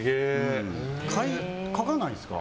書かないですか？